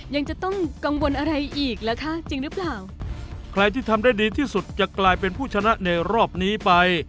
ยังจะต้องกังวลอะไรอีกเหรอคะจริงหรือเปล่าใครที่ทำได้ดีที่สุดจะกลายเป็นผู้ชนะในรอบนี้ไป